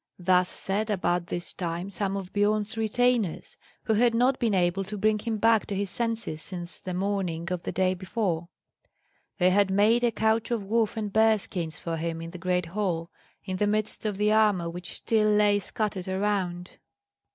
Thus said, about this time, some of Biorn's retainers, who had not been able to bring him back to his senses since the morning of the day before: they had made a couch of wolf and bear skins for him in the great hall, in the midst of the armour which still lay scattered around.